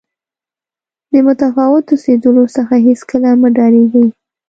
د متفاوت اوسېدلو څخه هېڅکله مه ډارېږئ.